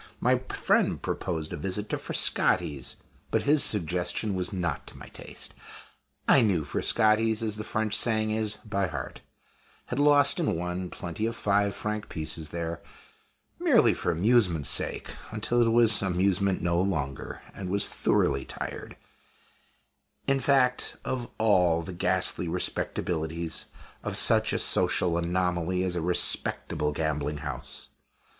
My friend proposed a visit to Frascati's; but his suggestion was not to my taste. I knew Frascati's, as the French saying is, by heart; had lost and won plenty of five franc pieces there, merely for amusement's sake, until it was amusement no longer, and was thoroughly tired, in fact, of all the ghastly respectabilities of such a social anomaly as a respectable gambling house.